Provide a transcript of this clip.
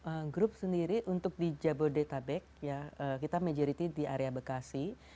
karena kita group sendiri untuk di jabodetabek kita majority di area bekasi